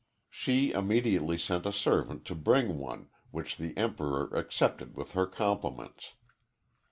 She immediately sent a servant to bring one, which the Emperor accepted with her compliments.